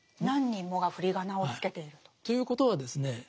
何人もが振り仮名をつけていると。ということはですね